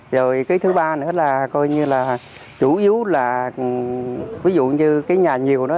rồi cái thứ ba nữa là coi như là chủ yếu là ví dụ như cái nhà nhiều đó